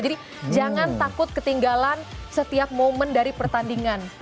jadi jangan takut ketinggalan setiap momen dari pertandingan